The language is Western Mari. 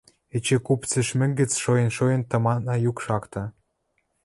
Эче куп цӹшмӹк гӹц шоэн-шоэн тымана юк шакта.